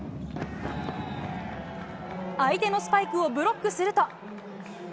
相手のスパイクをブロックすると。